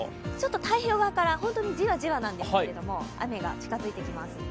太平洋側から本当にジワジワなんですけど、雨が近づいてきます。